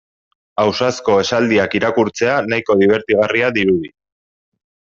Ausazko esaldiak irakurtzea nahiko dibertigarria dirudi.